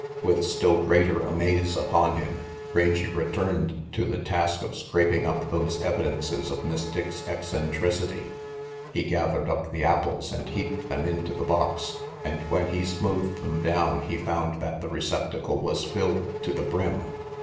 With still greater amaze upon him, Rangy returned to the task of scraping up those evidences of Miss Dick's eccentricity. He gathered up the apples and heaped them into the box, and when he smoothed them down he found that the receptacle was filled to the brim.